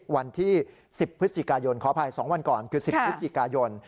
วันที่๑๐พฤศจิกายนขออภัย๒วันก่อนคือ๑๐พฤศจิกายน